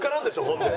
ほんで。